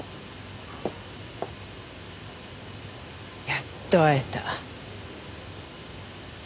やっと会えた。